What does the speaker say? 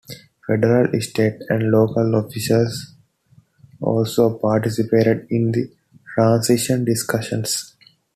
Federal, state, and local officials also participated in the transition discussions.